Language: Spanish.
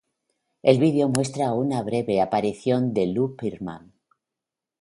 El vídeo muestra una breve aparición de Lou Pearlman.